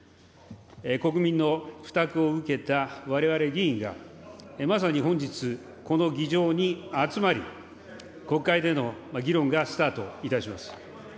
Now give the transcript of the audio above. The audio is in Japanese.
国民の負託を受けたわれわれ議員が、まさに本日、この議場に集まり、国会での議論がスタートいたします。